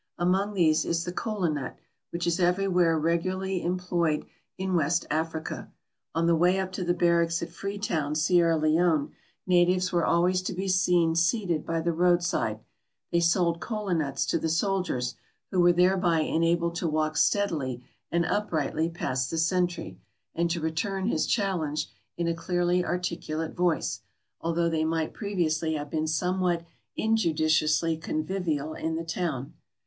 Amongst these is the Kola nut, which is everywhere regularly employed in West Africa. On the way up to the barracks at Freetown, Sierra Leone, natives were always to be seen seated by the roadside; they sold kola nuts to the soldiers, who were thereby enabled to walk steadily and uprightly past the sentry, and to return his challenge in a clearly articulate voice, although they might previously have been somewhat injudiciously convivial in the town.